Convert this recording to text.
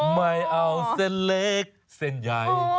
ไม่เอาเส้นเล็กเส้นใหญ่